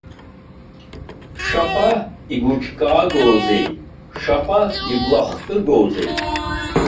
Шаҟа игәыҿкаагоузеи, шаҟа иблахкыгоузеи!